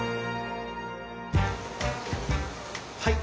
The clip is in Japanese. はい。